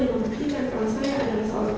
yang membuktikan kalau saya adalah seorang